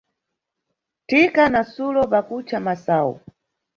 Thika na Sulo pakucha masayu.